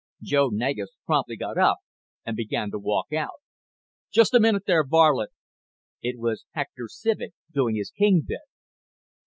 Joe Negus promptly got up and began to walk out. "Just a minute there, varlet!" It was Hector Civek doing his king bit.